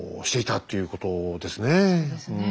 そうですね。